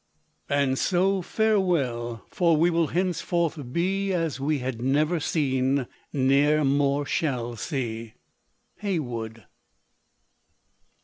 And so farewell ; for we will henceforth be As we had never seen, ne'er more shall see. Heywood.